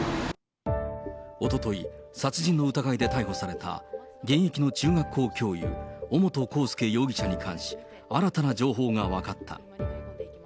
おととい、殺人の疑いで逮捕された、現役の中学校教諭、尾本幸祐容疑者に関し、新たな情報が分かった。